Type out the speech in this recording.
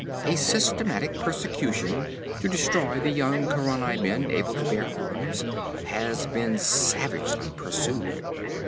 A systematic persecution to destroy the young Khaurani men able to bear arms has been savagely pursued.